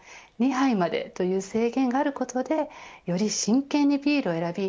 ２杯までという制限があることでより真剣にビールを選び